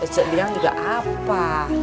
jadinya gak apa